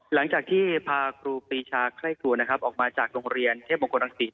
หลังจากที่พากครูปีชาออกมาจากโรงเรียนเทพบรมกลางสี่